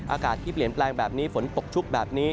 อากาศที่เปลี่ยนแปลงแบบนี้ฝนตกชุกแบบนี้